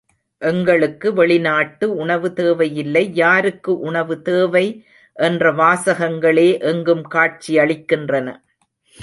எங்களுக்கு வெளிநாட்டு உணவு தேவையில்லை, யாருக்கு உணவு தேவை என்ற வாசகங்களே எங்கும் காட்சியளிக்கின்றன.